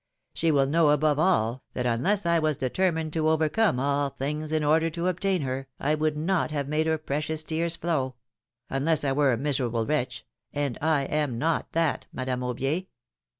She will know, above all, that unless I was determined to overcome all things in order to obtain her, I would not have made her precious tears flow — unless I were a miserable wretch, and I am not that, Madame Aubier